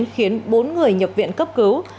khiến bốn người nhập viện cấp cứu